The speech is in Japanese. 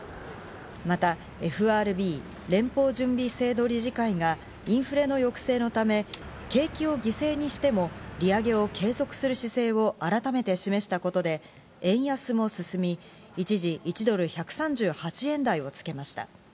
またＦＲＢ＝連邦準備制度理事会がインフレの抑制のため景気を犠牲にしても利上げを継続する姿勢を改めて示したことで円安も進み、一時１ドル＝１３８円台をつけました。